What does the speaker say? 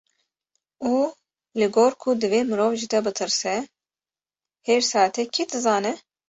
Û li gor ku divê mirov ji te bitirse, hêrsa te kî dizane?